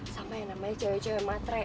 sama yang namanya cewek cewek matre